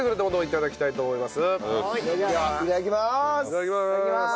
いただきます！